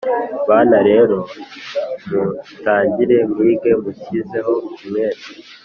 bana rero mutangire mwige mushyizeho umwete